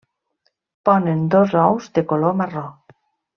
Ponen dos ous de color marró.